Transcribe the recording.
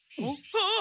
あっ！